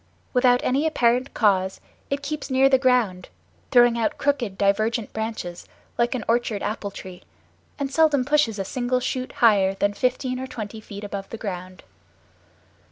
Without any apparent cause it keeps near the ground, throwing out crooked, divergent branches like an orchard apple tree, and seldom pushes a single shoot higher than fifteen or twenty feet above the ground.